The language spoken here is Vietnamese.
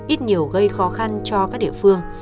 ít nhiều gây khó khăn cho các địa phương